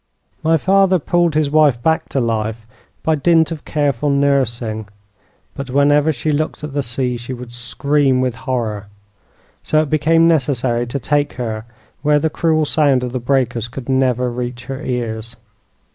"My father pulled his wife back to life by dint of careful nursing; but whenever she looked at the sea she would scream with horror; so it became necessary to take her where the cruel sound of the breakers could never reach her ears.